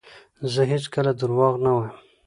زه هیڅکله درواغ نه وایم.